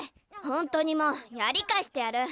ほんとにもうやりかえしてやる！